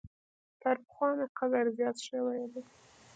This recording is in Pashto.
تر پخوا مي قدر زیات شوی دی .